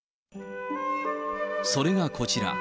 それがこちら。